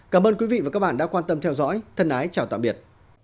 cảm ơn quý vị và các bạn đã quan tâm theo dõi thân ái chào tạm biệt